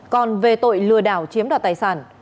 còn về tội lừa đảo chiếm đoạt tài sản